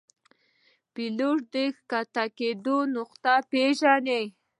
پیلوټ د ښکته کېدو نقطه پیژني.